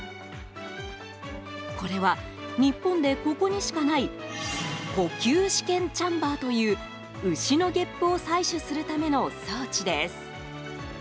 これは、日本でここにしかない呼吸試験チャンバーという牛のげっぷを採取するための装置です。